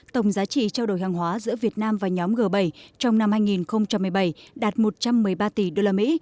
tổng giá trị trao đổi hàng hóa giữa việt nam và nhóm g bảy trong năm hai nghìn một mươi bảy đạt một trăm một mươi ba tỷ usd